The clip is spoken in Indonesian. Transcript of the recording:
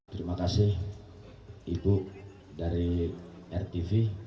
terima kasih ibu dari rtv